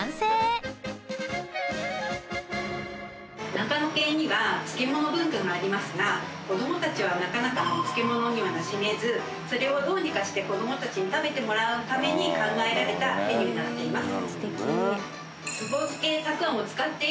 長野県には漬物文化がありますが子供たちはなかなか漬物にはなじめずそれをどうにかして子供たちに食べてもらうために考えられたメニューになっています。